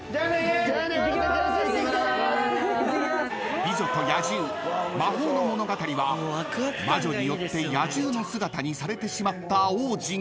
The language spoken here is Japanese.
［美女と野獣”魔法のものがたり”は魔女によって野獣の姿にされてしまった王子が］